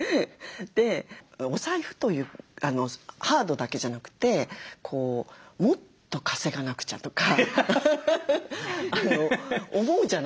でお財布というハードだけじゃなくてもっと稼がなくちゃとか思うじゃないですか。